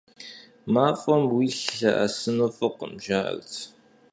МафӀэм уилъ лъэӀэсыну фӀыкъым, жаӀэрт.